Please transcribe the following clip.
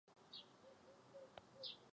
Tyto závody se nakonec soustředily na Měsíc.